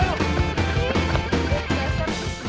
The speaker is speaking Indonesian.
eh biasa jangan nangis